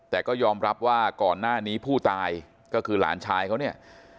แต่ก็ยอมรับว่าก่อนหน้านี้ผู้ตายก็คือหลานชายเขาเนี่ย